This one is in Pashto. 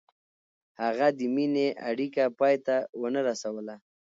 هغې د مینې اړیکه پای ته ونه رسوله.